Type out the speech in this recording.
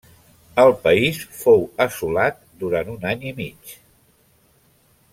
El país fou assolat durant un any i mig.